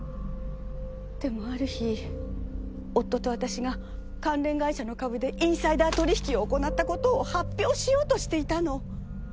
でもある日夫と私が関連会社の株でインサイダー取引を行ったことを発表しようとしていたの。